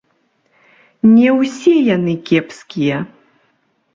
Не ўсе яны кепскія.